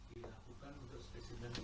terima kasih fadberita satu com